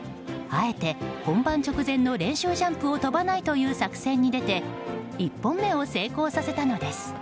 あえて本番直前の練習ジャンプを跳ばないという作戦に出て１本目を成功させたのです。